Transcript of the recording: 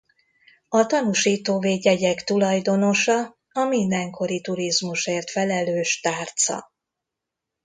A tanúsító védjegyek tulajdonosa a mindenkori turizmusért felelős tárca.